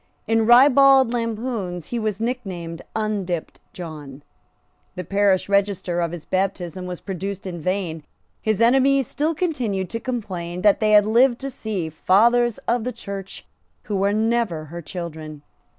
In ribald lampoons he was nicknamed Undipped John. The parish register of his baptism was produced in vain. His enemies still continued to complain that they had lived to see fathers of the Church who never were her children.